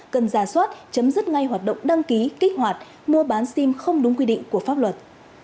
cần giả soát chấm dứt ngay hoạt động đăng ký kích hoạt mua bán sim không đúng quy định của pháp luật